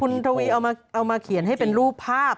คุณทวีเอามาเขียนให้เป็นรูปภาพ